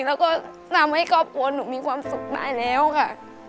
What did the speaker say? แล้วก็ทำให้ครอบครัวหนูมีความสุขได้แล้วค่ะ